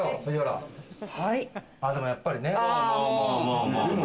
でも、やっぱりね。